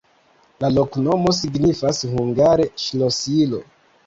La loknomo signifas hungare: ŝlosilo.